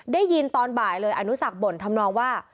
ได้ยินตอนบ่ายเลยอนุสักบ่นทำนองว่า